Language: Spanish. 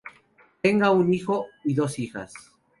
Tenga un hijo y dos hijas.